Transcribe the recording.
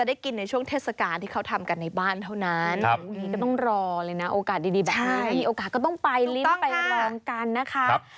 นี่ไงสูตรเขานะสูตรโบราณนะครับ